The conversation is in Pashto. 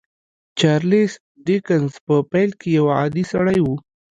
چارليس ډيکنز په پيل کې يو عادي سړی و.